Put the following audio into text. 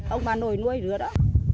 ông bà nội nuôi rứa đó